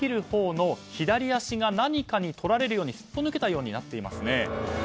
ほうの左足が何かにとられるようにすっぽ抜けたようになっていますね。